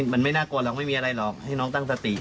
มันไม่น่ากลัวหรอกไม่มีอะไรหรอกให้น้องตั้งสติ